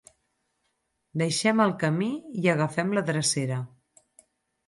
Deixem el camí i agafem la drecera.